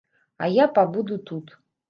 А я пабуду тут.